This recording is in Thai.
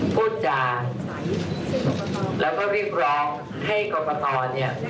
พูดจาแล้วก็เรียกร้องให้กรกตเนี่ย